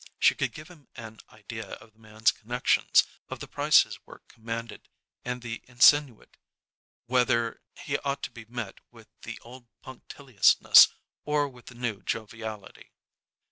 She could give him an idea of the man's connections, of the price his work commanded, and insinuate whether he ought to be met with the old punctiliousness or with the new joviality.